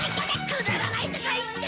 くだらないとか言って！